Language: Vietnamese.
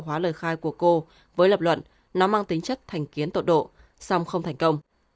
hóa lời khai của cô với lập luận nó mang tính chất thành kiến tột độ song không thành công